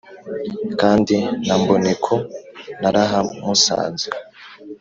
Kandi na Mboneko narahamusanze